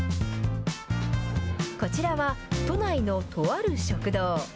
こちらは都内のとある食堂。